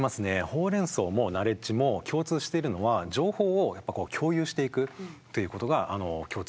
ホウ・レン・ソウもナレッジも共通しているのは情報を共有していくということが共通点となっております。